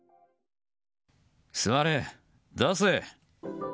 座れ、出せ。